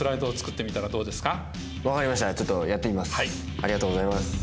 ありがとうございます。